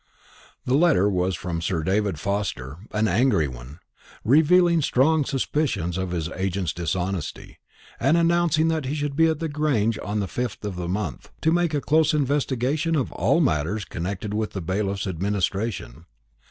The letter was from Sir David Forster; an angry one, revealing strong suspicions of his agent's dishonesty, and announcing that he should be at the Grange on the fifth of the month, to make a close investigation of all matters connected with the bailiff's administration.